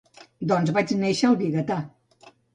Doncs vaig néixer al Vigatà.